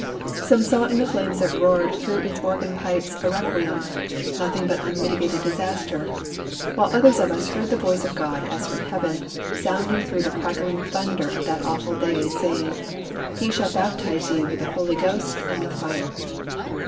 Some saw in the flames that roared through its organ pipes a requiem, nothing but unmitigated disaster, while others of us heard the voice of God, as from Heaven, sounding through the crackling thunder of that awful day, saying, "He shall baptise you with the Holy Ghost and with Fire!"